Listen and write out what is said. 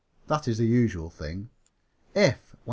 That is the usual thing. "If, when H.